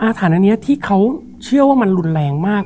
ฐานะนี้ที่เขาเชื่อว่ามันรุนแรงมาก